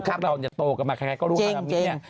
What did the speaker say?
พวกเราโตกันมาก็รู้ฮานามิเนี่ย